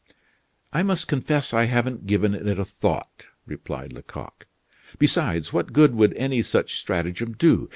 "I must confess I haven't given it a thought," replied Lecoq. "Besides, what good would any such stratagem do?